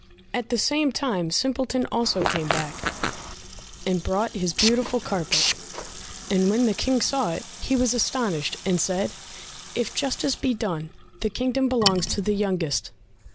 At the same time Simpleton also came back, and brought his beautiful carpet, and when the King saw it he was astonished, and said, "If justice be done, the kingdom belongs to the youngest."